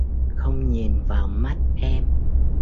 Không nhìn vào mắt em